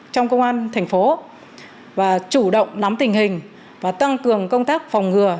trong công an thành phố và chủ động nắm tình hình và tăng cường công tác phòng ngừa